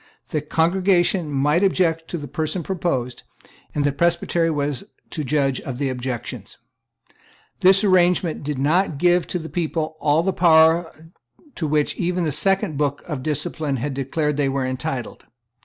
The congregation might object to the person proposed; and the Presbytery was to judge of the objections. This arrangement did not give to the people all the power to which even the Second Book of Discipline had declared that they were entitled.